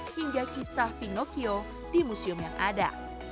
hingga kisah pinocchio di museum yang ada